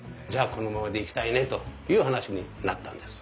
このままでいきたいねという話になったんです。